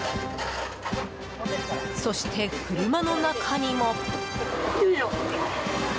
そして車の中にも。